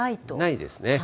ないですね。